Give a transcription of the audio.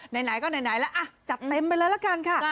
ไหนก็ไหนแล้วจัดเต็มไปเลยละกันค่ะ